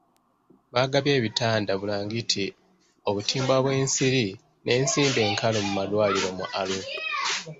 Baagabye ebitanda bulangiti, obutimba bw'ensiri n'ensimbi enkalu mu malwaliro mu Arua.